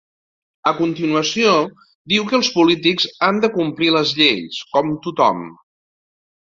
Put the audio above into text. A continuació, diu que els polítics han de complir les lleis, ‘com tothom’.